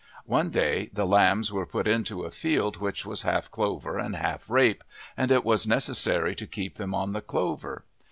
One day the lambs were put into a field which was half clover and half rape, and it was necessary to keep them on the clover.